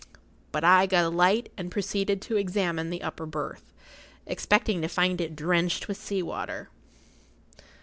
But I got a light and proceeded to examine the upper berth, expecting to find it drenched with sea water.